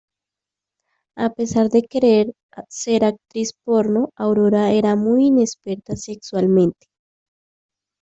A pesar de querer ser actriz porno, Aurora era muy inexperta sexualmente.